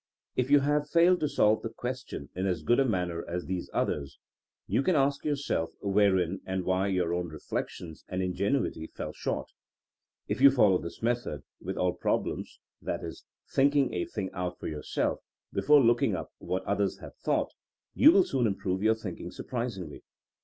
If you have failed to solve the question in as good a manner as these others, you can ask yourself wherein and why your own reflections and ingenuity fell short. If you follow this method with all prob lems — i.e., thinking a thing out for yourself be fore looking up what others have thought — ^you will soon improve your thinking surprisingly.